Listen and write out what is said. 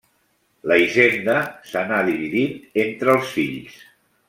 La hisenda s'anà dividint entre els fills.